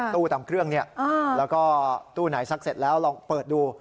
ตู้ตามเครื่องแล้วก็ตู้ไหนซักเสร็จแล้วลองเปิดดู